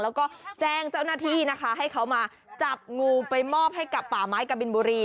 แล้วก็แจ้งเจ้าหน้าที่นะคะให้เขามาจับงูไปมอบให้กับป่าไม้กะบินบุรี